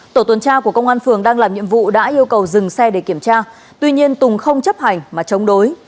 tổ tuần tra của công an phường đang làm nhiệm vụ đã yêu cầu dừng xe để kiểm tra tuy nhiên tùng không chấp hành mà chống đối